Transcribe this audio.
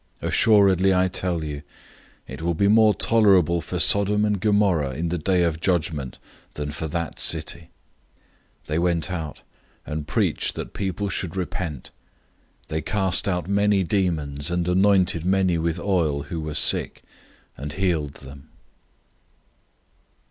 Assuredly, I tell you, it will be more tolerable for Sodom and Gomorrah in the day of judgment than for that city!" 006:012 They went out and preached that people should repent. 006:013 They cast out many demons, and anointed many with oil who were sick, and healed them.